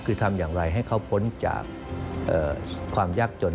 คือทำอย่างไรให้เขาพ้นจากความยากจน